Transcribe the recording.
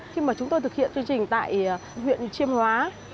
khi mà chúng tôi thực hiện chương trình tại huyện chiêm hóa